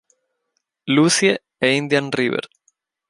Lucie, e Indian River.